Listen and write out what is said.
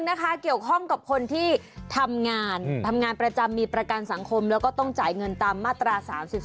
นะคะเกี่ยวข้องกับคนที่ทำงานทำงานประจำมีประกันสังคมแล้วก็ต้องจ่ายเงินตามมาตรา๓๒